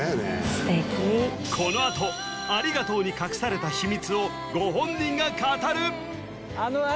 素敵このあと「ありがとう」に隠された秘密をご本人が語る！